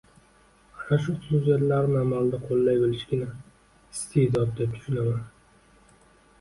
Ana shu xususiyatlarni amalda qoʻllay bilishnigina isteʼdod deb tushunaman